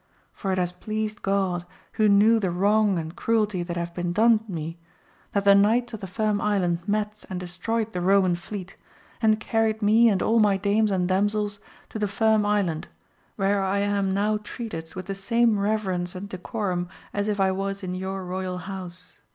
For it has pleased God, who knew the wrong and cruelty that have been done me, that the knights of the Firm Island met and destroyed the Eoman fleet, and carried me and all my dames and damsels to the Firm Island, where I am now treated with the same reverence and decorum as if I was in your royal house.